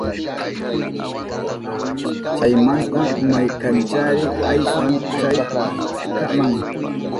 Chaymanta maykanchari aysan chay qanan